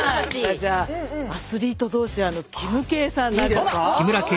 じゃあアスリート同士キムケイさんどうでしょうか？